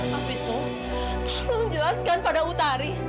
mas wisnu tolong jelaskan pada utari